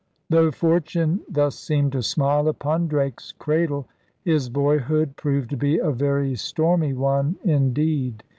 Though fortune thus seemed to smile upon Drake's cradle, his boyhood proved to be a very stormy one indeed.